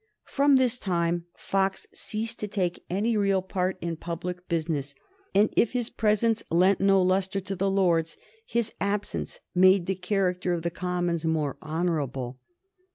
From this time Fox ceased to take any real part in public business, and if his presence lent no lustre to the Lords, his absence made the character of the Commons more honorable.